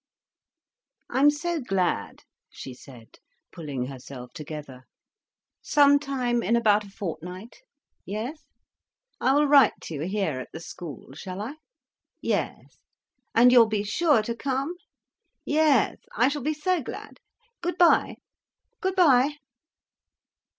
"I'm so glad," she said, pulling herself together. "Some time in about a fortnight. Yes? I will write to you here, at the school, shall I? Yes. And you'll be sure to come? Yes. I shall be so glad. Good bye! Good bye!"